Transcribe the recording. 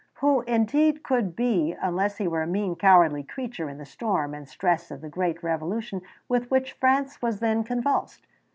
Who indeed could be, unless he were a mean, cowardly creature, in the storm and stress of the great Revolution with which France was then convulsed?